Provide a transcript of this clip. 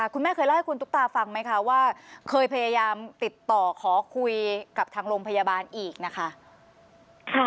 คุณแม่เคยเล่าให้คุณตุ๊กตาฟังไหมคะว่าเคยพยายามติดต่อขอคุยกับทางโรงพยาบาลอีกนะคะ